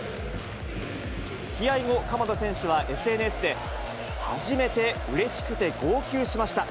試合後、鎌田選手はＳＮＳで、初めてうれしくて号泣しました。